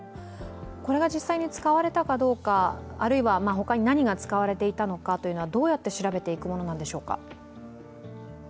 これがもし実際に使われたかどうかあるいは何が使われたかどうかはどうやって調べていくものなんでしょうか？